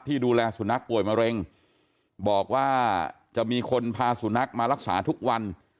ดูแลสุนัขป่วยมะเร็งบอกว่าจะมีคนพาสุนัขมารักษาทุกวัน